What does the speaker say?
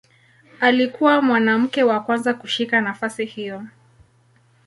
Alikuwa mwanamke wa kwanza kushika nafasi hiyo.